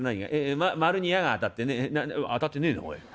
「まっ丸に矢が当たってね当たってねえなおい。